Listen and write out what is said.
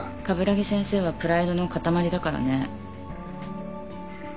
鏑木先生はプライドの塊だからね。